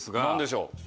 何でしょう？